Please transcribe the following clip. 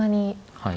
はい。